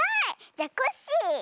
じゃコッシー！